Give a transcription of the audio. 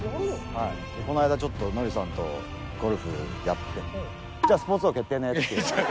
この間ちょっとノリさんとゴルフやって「じゃあ『スポーツ王』決定ね！」って言われて。